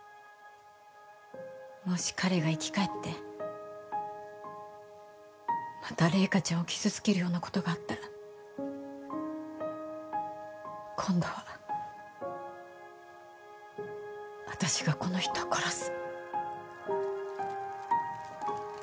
もし彼が生き返ってまた零花ちゃんを傷つけるようなことがあったら今度は私がこの人を殺す。